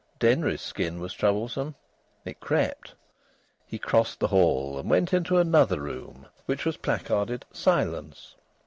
Denry's skin was troublesome; it crept. He crossed the hall and went into another room which was placarded "Silence."